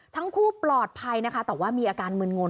ทั้งคู่ปลอดภัยนะคะแต่ว่ามีอาการมึนงน